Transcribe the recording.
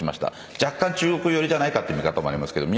若干、中国寄りじゃないかという見方もありますけど。